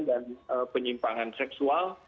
dan penyimpangan seksual